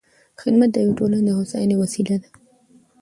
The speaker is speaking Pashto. خدمت د ټولنې د هوساینې وسیله ده.